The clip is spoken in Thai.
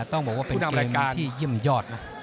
ต้องบอกว่าเป็นรายการที่เยี่ยมยอดนะ